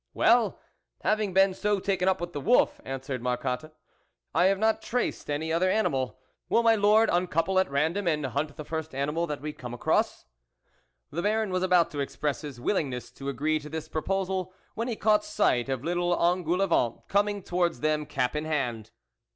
" Well, having been so taken up with the wolf," answered Marcotte, " I have THE WOLF LEADER not traced any other animal. Will my Lord uncouple at random and hunt the first animal that we come across ?" The Baron was about to express his willingness to agree to this proposal when he caught sight of little Engoule vent coming towards them cap in hand.